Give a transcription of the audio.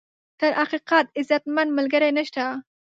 تر حقیقت، عزتمن ملګری نشته.